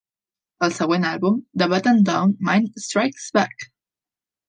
El següent àlbum, The Button-Down Mind Strikes Back!